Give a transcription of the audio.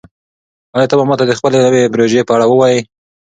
آیا ته به ماته د خپلې نوې پروژې په اړه ووایې؟